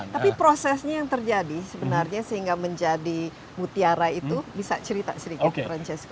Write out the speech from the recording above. tapi prosesnya yang terjadi sebenarnya sehingga menjadi mutiara itu bisa cerita sedikit francisco